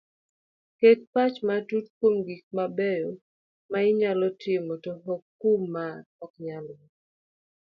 Ket pach matut kuom gik mabeyo ma inyalo timo to ok kuom ma oknyalre